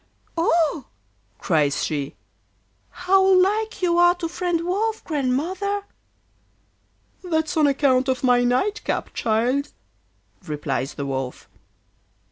'Oh!' cries she, 'how like you are to friend Wolf, Grandmother!' 'That's on account of my night cap, child,' replies the Wolf.